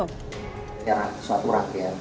ini adalah suatu rangkaian kejadian di sana setelah itu